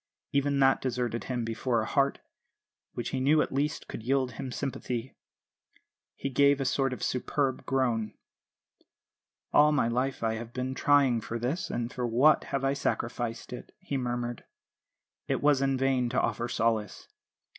Even that deserted him before a heart, which he knew at least could yield him sympathy. He gave a sort of superb groan. "'All my life I have been trying for this, and for what have I sacrificed it?' he murmured. It was in vain to offer solace.